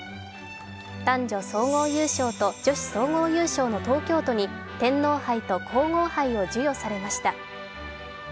男女総合優勝と女子総合優勝の東京都に天皇杯と皇后杯を授与されました。